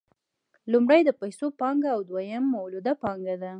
لومړی د پیسو پانګه او دویم مولده پانګه ده